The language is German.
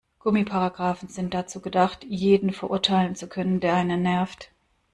Gummiparagraphen sind dazu gedacht, jeden verurteilen zu können, der einen nervt.